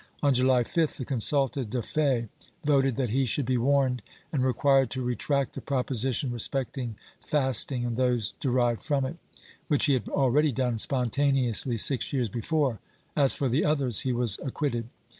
On July 5th the consulta de fe voted that he should be warned and recjuired to retract the proposition respecting fasting and those derived from it — which he had already done spontaneously six years before; as for the others, he was acquitted.